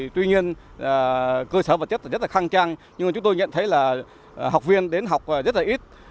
tuy nhiên cơ sở vật chất rất là khang trang nhưng mà chúng tôi nhận thấy là học viên đến học rất là ít